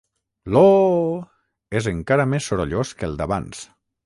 L'«ooooh!» és encara més sorollós que el d'abans.